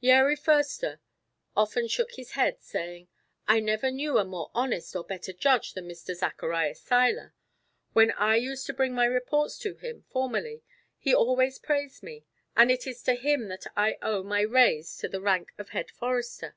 Yeri Foerster often shook his head, saying: "I never knew a more honest or better judge than Mr. Zacharias Seiler. When I used to bring my reports to him, formerly, he always praised me, and it is to him that I owe my raise to the rank of Head Forester.